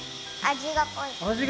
味が濃い。